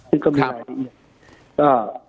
ซึ่งก็มีใดดี